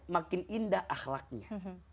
makin indah akhlaknya